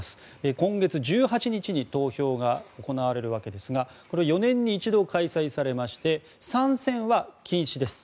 今月１８日に投票が行われるわけですが４年に一度開催されまして３選は禁止です。